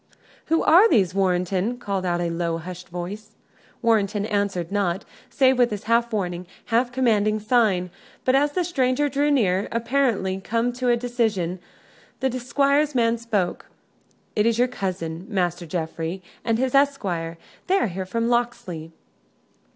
"Who are these, Warrenton?" called out a low, hushed voice. Warrenton answered not, save with his half warning, half commanding sign. But as the stranger drew near, apparently come to a decision, the Squire's man spoke. "It is your cousin, Master Geoffrey, and his esquire. They are here from Locksley."